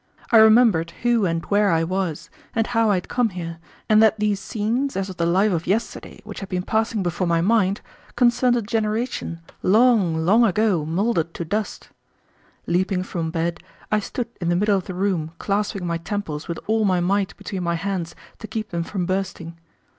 I remembered who and where I was, and how I had come here, and that these scenes as of the life of yesterday which had been passing before my mind concerned a generation long, long ago mouldered to dust. Leaping from bed, I stood in the middle of the room clasping my temples with all my might between my hands to keep them from bursting.